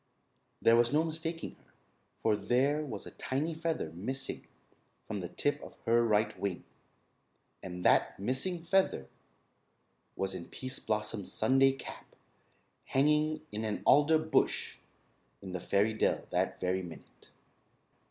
There was no mistaking her, for there was a tiny feather missing from the tip of her right wing, and that missing feather was in Pease Blossom's Sunday cap hanging in an alder bush in the fairy dell that very minute.